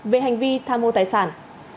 về hành vi tham mô tài sản